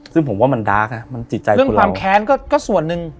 ซึ่งผมว่ามันดาร์กนะมันจิตใจเรื่องความแค้นก็ส่วนหนึ่ง